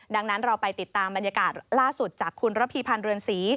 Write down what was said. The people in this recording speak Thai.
ดังนั้นเราไปติดตามบรรยากาศล่าสุดจากคุณระพีพันธ์เรือนศรี